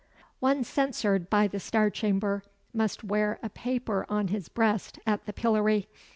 "One censured by the Star Chamber must wear a paper on his breast at the pillory.